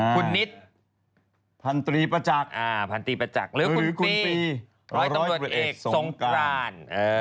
คุณนิดพันตรีประจักษ์หรือคุณปีร้อยต้นรวดเอกสงการ